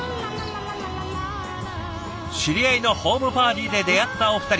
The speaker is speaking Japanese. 知り合いのホームパーティーで出会ったお二人。